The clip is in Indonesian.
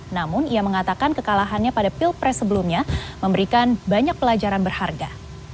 namun ia mengatakan kekalahannya pada pilpres sebelumnya memberikan banyak pelajaran berharga